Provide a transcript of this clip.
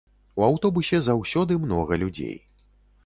У аўтобусе заўсёды многа людзей.